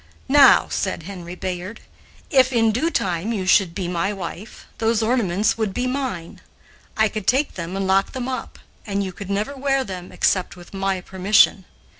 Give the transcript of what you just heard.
"Now," said Henry Bayard, "if in due time you should be my wife, those ornaments would be mine; I could take them and lock them up, and you could never wear them except with my permission.